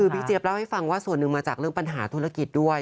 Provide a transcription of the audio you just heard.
เจี๊ยบเล่าให้ฟังว่าส่วนหนึ่งมาจากเรื่องปัญหาธุรกิจด้วย